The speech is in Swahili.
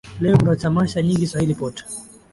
Leo kuna tamasha nyingi swahili pot.